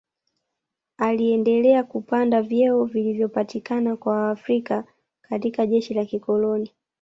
Aliendelea kupanda vyeo vilivyopatikana kwa Waafrika katika jeshi la kikoloni